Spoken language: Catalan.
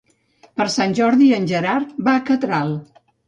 Per Sant Jordi en Gerard va a Catral.